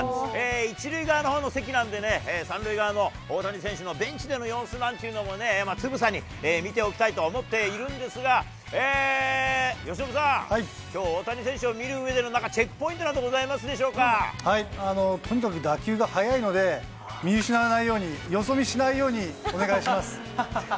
１塁側のほうの席なんでね、３塁側の大谷選手のベンチでの様子なんてのも、つぶさに見ておきたいと思っているんですが、由伸さん、きょう、大谷選手を見るうえでのチェックポイントなんか、ございますでしとにかく打球が速いので、見失わないように、よそ見しないようにお願いします。